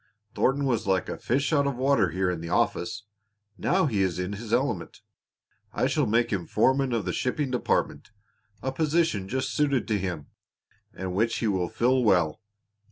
Thornton was like a fish out of water here in the office. Now he is in his element. I shall make him foreman of the shipping department a position just suited to him, and which he will fill well."